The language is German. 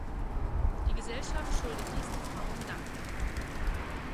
Die Gesellschaft schuldet diesen Frauen Dank.